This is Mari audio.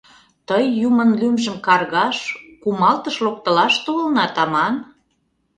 — Тый юмын лӱмжым каргаш, кумалтыш локтылаш толынат аман?!